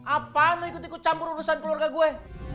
apaan lo ikut ikut campur urusan keluarga gue